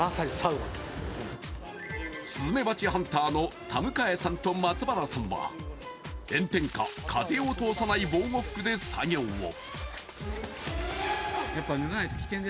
スズメバチハンターの田迎さんと松原さんは炎天下、風を通さない防護服で作業を。